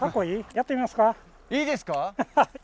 いいですか？